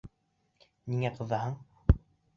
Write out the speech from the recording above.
Ниңә ҡыҙаһың?